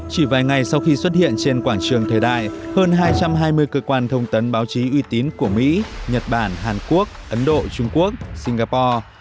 chỉ vài ngày sau khi xuất hiện trên quảng trường thời đại hơn hai trăm hai mươi cơ quan thông tấn báo chí uy tín của mỹ nhật bản hàn quốc ấn độ trung quốc singapore